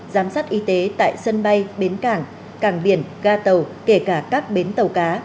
giám sát y tế tại sân bay bến cảng cảng biển ga tàu kể cả các bến tàu cá